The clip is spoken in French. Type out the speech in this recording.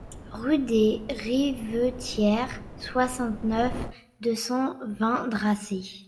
Rue des Rivetières, soixante-neuf, deux cent vingt Dracé